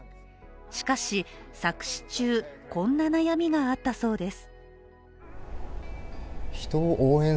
しかし作詞中、こんな悩みがあったそうです。